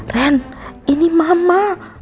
ren ini mama